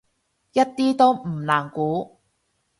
一啲都唔難估